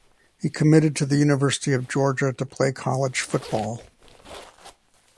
He committed to the University of Georgia to play college football.